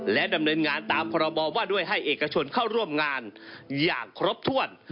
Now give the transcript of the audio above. และดำเนินงานตามพรบว่าด้วยให้เอกชนเข้าร่วมงานอย่างครบถ้วน